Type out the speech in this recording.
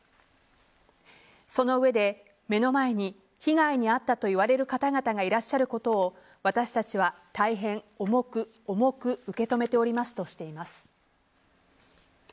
その上で目の前に被害に遭ったと言われる方々がいらっしゃることを私たちは大変重く、重く受け止めておりますとしています。